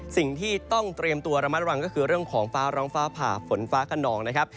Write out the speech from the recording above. สิ่งที่ต้องเตรียมตัวระมัดระวังก็คือเรื่องของฟ้าร้องฟ้าผ่าฝนฟ้าขนองนะครับ